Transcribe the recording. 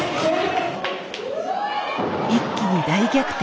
一気に大逆転。